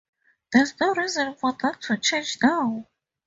There’s no reason for that to change now.